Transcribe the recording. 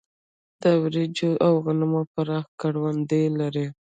د وريجو او غنمو پراخې کروندې لري.